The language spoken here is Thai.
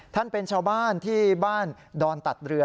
เป็นชาวบ้านที่บ้านดอนตัดเรือ